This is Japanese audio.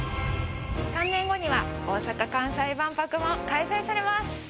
３年後には大阪・関西万博も開催されます。